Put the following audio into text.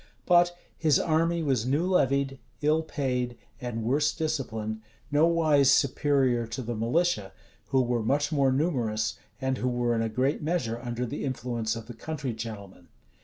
But his army was new levied, ill paid, and worse disciplined; nowise superior to the militia, who were much more numerous, and who were in a great measure under the influence of the country gentlemen.